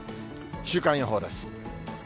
週間予報です。